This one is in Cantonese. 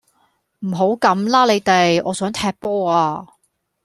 唔好咁啦你哋，我想踢波呀